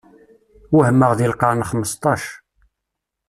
Wehmeɣ deg lqern xmesṭac.